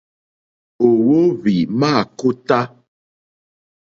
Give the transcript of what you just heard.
Ò óhwì mâkótá.